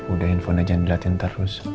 udah info aja nilatin terus